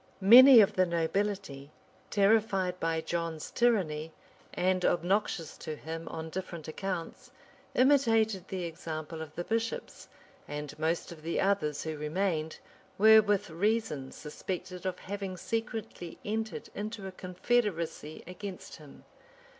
[*] Many of the nobility, terrified by John's tyranny, and obnoxious to him on different accounts, imitated the example of the bishops; and most of the others, who remained, were with reason suspected of having secretly entered into a confederacy against him.